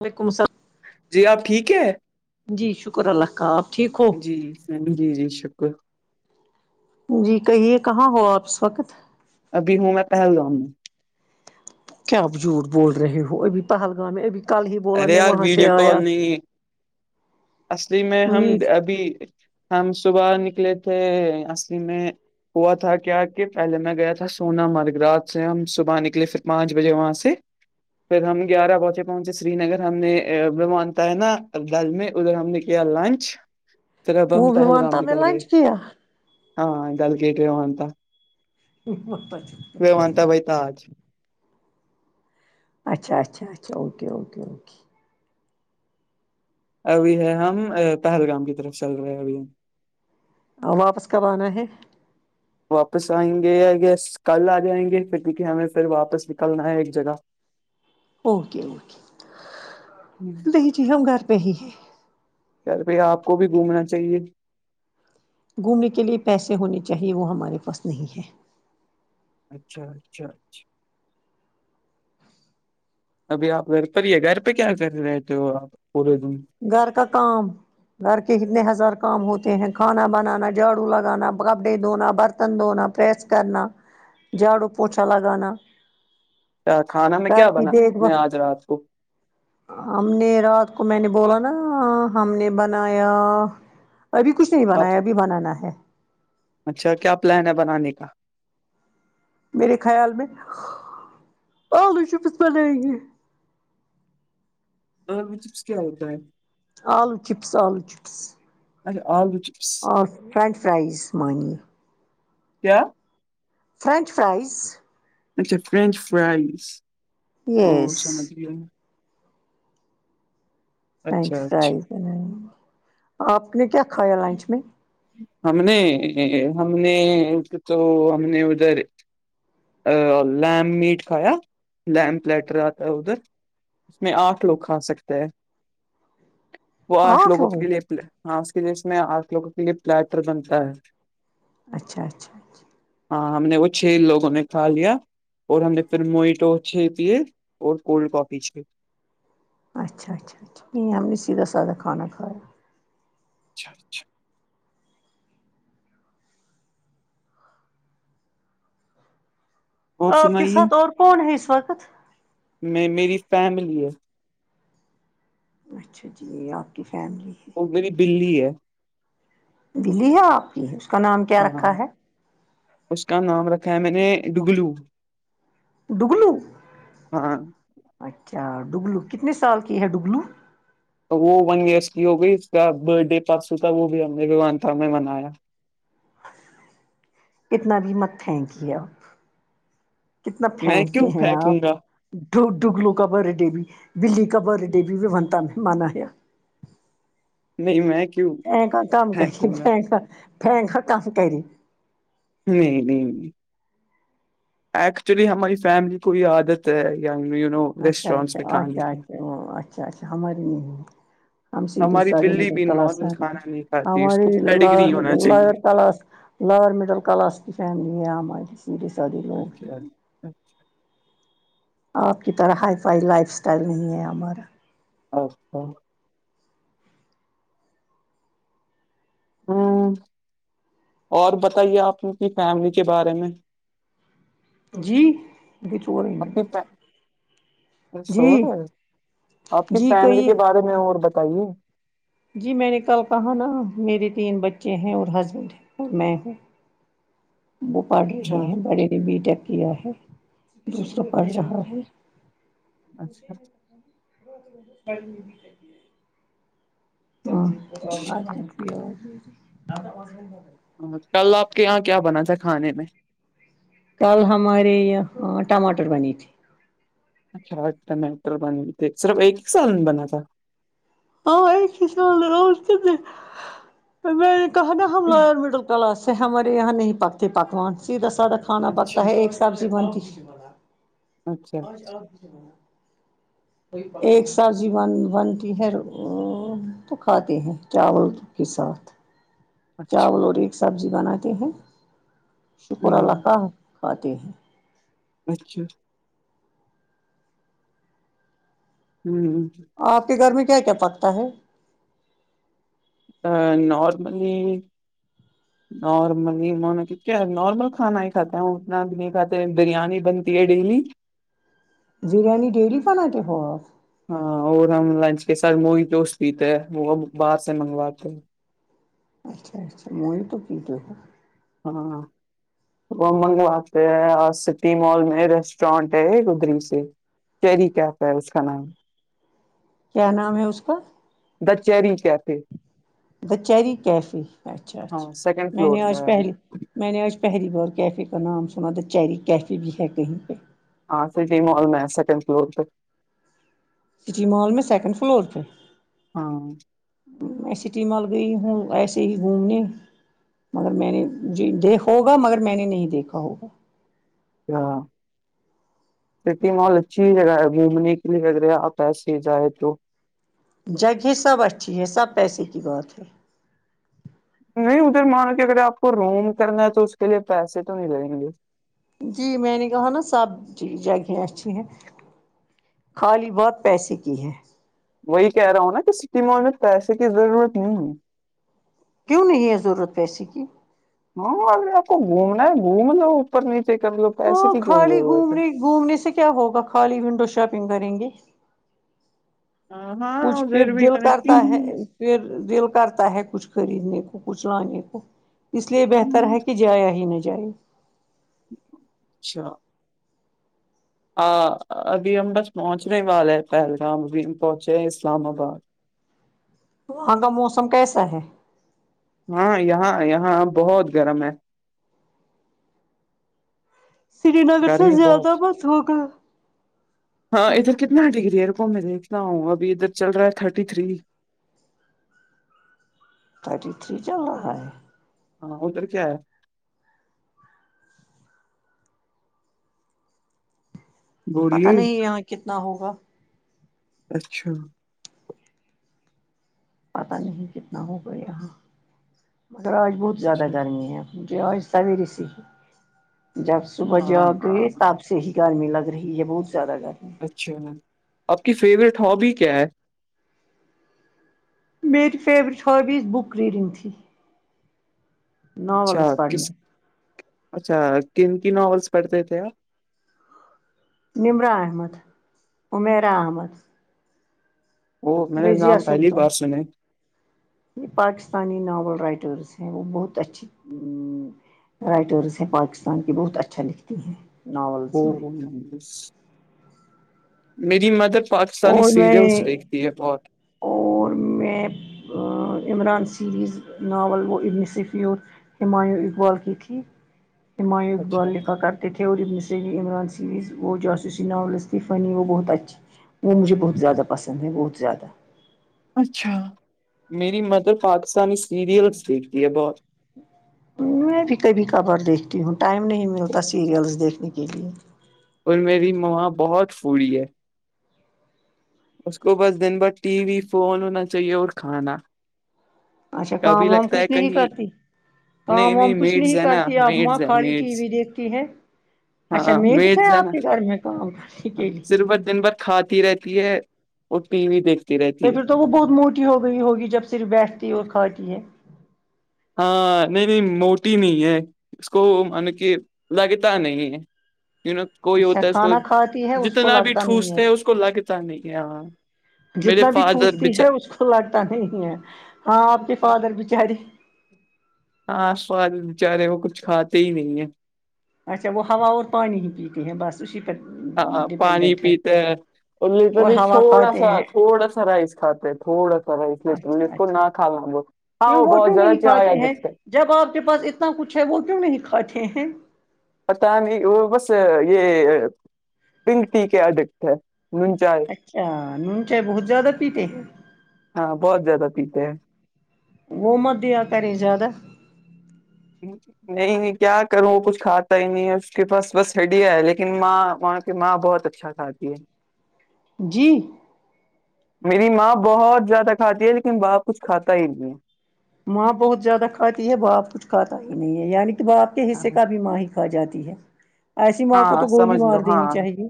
وعلیکم السل جی آپ ٹھیک ہے جی شکر اللہ کا آپ ٹھیک ہو جی میں بھی جی جی شکر جی کہیے کہاں ہو آپ اس وقت ابھی ہوں میں پہلگام میں کیا آپ جھوٹ بول رہے ہو ابھی پہلگام میں ابھی کل ہی بولا ارے میں یار وہاں سے ویڈیو آیا کال نہیں اصلی میں ہم امید ابھی ہم صبح نکلے تھے اصل میں ہوا تھا کیا کہ پہلے میں گیا تھا سونامرگ رات سے ہم صبح نکلے پھر پانچ بجے وہاں سے پھر ہم گیارہ بجے پہنچے سری نگر ہم نے [unintelligible] ہے نا ڈل میں ادھر ہم نے کیا لنچ پھر اب ہم وہ بھی پہلگام مانتا نے نکل گئے لنچ کیا ہاں ڈل [unintelligible] اچھا اچھا اچھا اوکے اوکے اوکے ابھی ہے ہم پہلگام کی طرف چل رہے ہیں ابھی ہم واپس کب آنا ہے واپس آئیں گے آئ گیز کل آ جائیں گے پھر کیونکہ ہمیں پھر واپس نکلنا ہے ایک جگہ اوکے اوکے [unintelligible] ہم گھر پہ ہی ہیں یار پھر آپ کو بھی گھومنا چاہیے گھومنے کے لیے پیسے ہونے چاہیے وہ ہمارے پاس نہیں ہیں اچھا اچھا اچھا ابھی آپ گھر پر ہی گھر پہ کیا کر رہےرہتے ہو آپ پورے دن گھر کا کام گھر کے اتنے ہزار کام ہوتے ہیں کھانا بنانا جھاڑو لگانا کپڑے دھونا برت تن دھونا پریس کرنا جھاڑو پونچھا لگانا کیا کھانا میں گھر کیا کی بنایا دیکھ آپ بھ نے آج رات کو ہم نے رات کو میں نے بولا نا ہم نے بنایا ابھی کچھ نہیں آپ بنایا ابھی بنانا ہے اچھا کیا پلان ہے بنانے کا میرے خیال میں آلو چپس بنئیں گے آلو چپس کیا ہوتا ہے آلو چپس آلو چپس اچھا آلو چ اور فرینچ فرائز مانیے کیا فرینچ فرائز اچھا فرینچ فرائز اوو یس سمجھ گیا فرینچ اچھا فرائیز اچھا بنانی آپ نے کیا کھایا لنچ میں ہم نے ہم نے ایک تو ہم نے ادھر آ لیمب میٹ کھایا لیمب پلیٹر آتا ہے ادھر اس میں آٹھ لوگ کھا سکتے ہیں وہ آٹھ لوگوں کے لیے ہاں اس کے میسس میں آٹھ لوگوں کے لیے پلیٹر بنتا ہے اچھا اچھا اچھا ہاں ہم نے وہ چھ لوگوں نے کھا لیا اور ہم نے پھر موئیٹو چھ پیے اور کولڈ کافی چھ اچھا اچھا اچھا نہیں ہم نے سیدھا سادا کھانا کھایا اچھا اچھا اور آپ کے سنائیے ساتھ اور کون ہے اس وقت میں میری فیملی ہے اچھا جی آپ کی فیملی وہ میری بلی ہے بلی ہے آپ کی اس کا نام کیا ہاں رکھا ہے اس کا نام رکھا ہے میں نے ڈوگلو ڈوگلو ہاں اچھا ڈوگلو کتنے سال کی ہے ڈوگلو تو وہ ون ایئرس کی ہو گئی اس کا برتھ ڈے پرسوں تھا وہ بھی ہم نے ویوانتھا میں منایا اتنا بھی مت پھینکئے آپ کتنا میں پھینکتے کیوں ہیں آپ پھینکوں گا ڈو ڈوگلو کا برتھ ڈے بھی بلی کا برتھ ڈے بھی وونتھا میں منایا نہیں میں کیوں پیننکا کم کری پھینکوں گا پیننکا پیننکا کم کری نہیں نہیں نہیں ایکچولی ہماری فیملی کو یہ عادت ہے یا یو نو اچھا ریسٹورینٹس اچھا میں کھانے اچھا کی اچھا اچھا اچھا ہمار نہیں ہم سری ہماری ساری بلی مڈل بھی کلاس نارمل کھانا نہیں کھاتی اس کو پیڈگری ہونا چاہیے کلاس لوور مڈل کلاس کی فیملی آ مجس جی ساد اچھا اچھا آپ کی طرح ہائی فائی لائف اسٹائل نہیں ہے ہمارا اچھا ہوں اور بتائیے آپ کی فیملی کے بارے میں جی یہ چو رہ منے کیا سورہے ہو آپ کی جی فیملی کہیے کے بارے میں اور بتائیے جی میں نے کل کہا نا میرے تین بچے ہیں اور ہسبینڈ ہیں اور میں ہوں وہ پڑھ اچھا رہے ہیں بڑھے نے بی ٹیک کیا ہے دوسرا پڑھ اچھا رہا ہے اچھا اچھا کل آپ کے یہاں کیا بنا تھا کھانے میں کل ہمارے یہ ٹماٹر بنی تھی اچھا [unintelligible] صرف ایک ایک سالن بنا تھا ہاں ایک ہی سالن اور کتنے میں نے کہا نہ ہم لوگ میڈل کلا سے ہمارے یہاں نہیں پکتی پکوان سیدھا سادا کھانا اچھا پکتا ہے ایک سبزی بنتی اچھا ایک سبزی بن بنتی ہے تو کھاتے ہیں چاول کے ساتھ اچھا چاول اور ایک سبزی بناتے ہیں شکر اللہ ہوں کا کھاتے ہیں اچھا ھمم آپ کے گھر میں کیا کیا پکتا ہے آ نارملی نارملی کیا نارمل کھانا ہی کھاتے ہیں اتنا بھی نہیں کاتے بریانی بنتی ہے ڈیلی برییانی ڈیلی بنا تے ہو آپ ہاں اور ہم لنچ کے ساتھ موھتو روز پیتے ہیں وہ باہر سے منگواتے ہیں اچھا اچھا موھتو پیتے ہو ہاں وہ ہم منگواتے ہیں سٹی مال میں ریسٹورینٹ ہے [unintelligible] سے کیری کیاتا ہے اس کا نام کیا نام ہے اس کا دا چیری کیفے دا چیری کیفے اچھا ہاں اچھا سیکنڈ میں نے فلور آج پہ ہے۔ پہلی میں نے آج پہلی بار کیفے کا نام سنا تھا چیری کیفے بھی ہے کہیں پہ ہاں سٹی مال میں ہے سیکنڈ فلور پہ سٹی مال میں سیکنڈ فلور پہ ہاں میں سٹی مل گئی ہوں ایسے ہی گھومنے مگر میں نے جی دیکھا ہوگا مگر میں نے نہیں دیکھا ہوگا ہاں سٹی مال اچھی جگہ ہوگی گھومنے کے لیے آپ ایسے ہی جائیں تو جگہ سب اچھی ہے سب پیسے کی بات ہے نہیں ادھر مانو کہ اگر آپ کو روم کرنا ہے تو اس کے لیے پیسے تو نہیں لگیں گے جی میں نے کہانہ سب جگہ اچھی ہے خالی بات پیسے کی ہے وہی کہہ رہا ہوں نا کہ سٹی مول میں پیسے کی ضرورت نہیں ہے کیوں نہیں ہے ضرورت پیسے کی ہاں ابھی آپ کو گھومنا ہے گھوم لو اوپر نیچے کر لو پیسے ہاں کی کیوں خالی ضرورت ہے گھومنے گھومنے سے کیا ہوگا خالی ونڈو شاپنگ کریں گے ہاں ہاں کچھ پھر ادھر بھی دل کرتا ہے پھر دل کرتا ہے کچھ خریدنے کو کچھ لانے کو اس لیے بہتر ہے کہ جایا ہی نہ جائے اچھا آ ابھی ہم بس پہنچنے والے ہیں پہلگام ابھی ہم پہنچے ہیں اسلام آباد وہاں کا موسم کیسا ہے ہاں یہاں یہاں بہت گرم ہے سری نگر سے گرمی بہت زیادہ مت ہوگا ہاں ادھر کتنا ڈگری ہے میں دیکھتا ہوں ابھی ادھر چل رہا ہے ٹھاٹی تیری ٹھاٹی تیری چل رہا ہے ہاں ادھر کیا ہے پتا بولیے نہیں یہاں کتنا ہوگا اچھا پتہ نہیں کتنا ہو گیا یہاں مگر آج بہت زیادہ اچھا گرمی ہے جوآج سویرے سے جب صبح ہاں جاب ہاں گئی تب سے تے ہی گرمی لگ رہی ہے بہت زیادہ گرمی اچھا آپ کی فیوریٹ ہوبی کیا ہے میری فیورٹ ہابیز بک ریڈنگ تھی اچھا ناولس کس پڑھنے اچھا کن کی ناولس پڑھتے تھے آپ نمرہ احمد حمیرہ عامر آپ وہ میں نے رضیہ نام پہلی سلطان بار سنے یہ پاکستانی ناول رائٹرس ہیں وہ بہت اچھی رائٹرس ہیں پاکستان کی بہت اچھا لکھتی ہیں ناولس میں او نائس میری مدر پاکستانی اور سیریلس میں دیکھتی ہے بہت اور میں عمران سیریز ناول وہ ابن صفیور ہمایوں اقبال کی تھی ہمایوں اچھا اقبال لکھا کر تھے اور ابنصلیی عمران سیریز وہ جوسوسیی ناولس تھی فنی وہ بہت اچھی وہ مجھے بہت زیادہ پسند ہے بہت زیادہ اچھا میری مدر پاکستانی سیریلس دیکھتی ہے بہت میں بھی کبھی کبار دیکھتی ہوں ٹائم نہیں ملتا سیریلس دیکھنے کے لیے اور میری ماں بہت فوڈی ہے اس کو بس دن بھر ٹی وی فون ہونا چاہیے اور کھانا اچھا کبھی کام وام لگتا ہے کچھ نہیں کہیں کرتی نہیں کام وام نہیں کچھ میڈس ہے نا کرتی آپ ماں میڈس ہے خالی ٹی میڈس وی دیکھتی ہے اچھا ہاں میڈس ہے آپ کے گھر میں کام کرنے کے لیے نا دن بھر کھاتی رہتی ہے اور ٹی وی دیکھتی تو رہتی ہے پھر تو وہ بہت موٹی ہو گئی ہوگی جب صرف بیٹھتی ہے اور کھاتی ہے ہاں نہیں نہیں موٹی نہیں ہے اس کو مانو کہ لگتا نہیں ہے [unintelligible] کوئی اچھا ہوتا ہے اس کو کھانا کھاتی ہے اس کو جتنا بھی لگتا نہیں ٹوستے ہیں ہے اس کو لگتا نہیں ہاں میرے جتنا بھی فادر ٹھوستی بچ ہے اس کو لگتا نہیں ہے ہاں آپ کے فادر بچاری ہاں فادر بچارے وہ کچھ کھاتے ہی نہیں ہیں اچھا وہ ہوا اور پانی ہی پیتے ہیں بس اسی پر ہاں پانی ڈپینڈنٹ ہے پیتے ہیں اور لٹرلی ہوا تھوڑا کھاتے سا ہیں تھوڑا سا رائس کهاتے ہیں تھوڑا سا رائس لٹرلی اچھا اس اچھا کونا کھوا ہم لوگ ہاں کیوں وہ بہت کیوں زیادہ نہیں چاۓ کھاتے ہیں اڈیکٹڈ ہے جب آپ کے پاس اتنا کچھ ہے وہ کیوں نہیں کھاتے ہیں پتا نہیں وہ بس یہ پنک ٹی کے ایڈکٹ ہے نون چاۓ اچھا نون چائے بہت زیادہ پیتے ہیں ہاں بہت زیادہ پیتے ہیں وہ مت دیا کریں زیادہ نہیں نہیں کیا کروں کچھ کھاتا ہی نہیں ہے اس کے پاس بس ہڈیاں ہے لیکن ماں وہاں کی ماں بہت اچھا کھا تی ہے جی میری ماں بہت زیادہ کھاتی ہے لیکن باپ کچھ کھاتا ہی نہیں ہے ماں بہت زیادہ کھاتی ہے باپ کچھ کھاتا ہی نہیں ہے یعنی کہ باپ کے حصے ہاں کا بھی ماں ہی کھا جاتی ہے ایسی ماں کو ہاں تو گولی سمجھ مار لو دینی ہاں چاہیے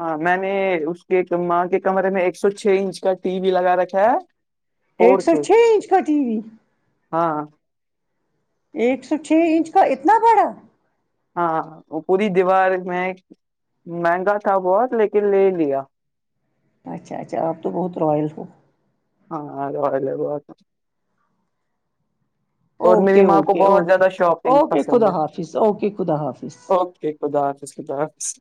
ہاں میں نے اس کے ماں کے کمرے میں ایک سو چھ انچ کا ٹی وی لگا رکھا ہے ایک فور سو کے چھ انچ کا ٹی وی ہاں ایک سو چھ انچ کا اتنا بڑا ہاں وہ پوری دیوار میں مہنگا تھا بہت لیکن لے لیا اچھا اچھا آپ تو بہت رائل ہو ہاں رویل ہے بہت اور میری اوکے ماں کو اوکے بہت اوکے زیادہ شاپنگ اوکے پسند خدا ہے حافظ اوکے خدا حافظ اوکے خدا حافظ